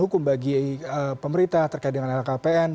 hukum bagi pemerintah terkait dengan lhkpn